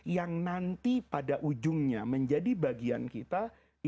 yang nanti pada ujungnya menjadi bagiannya yang kita cari